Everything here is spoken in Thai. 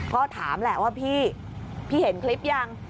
ก็ถามแหละว่าพี่พี่เห็นคลิปยัง